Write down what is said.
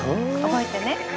覚えてね。